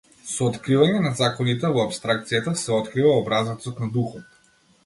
Со откривање на законите во апстракцијата се открива образецот на духот.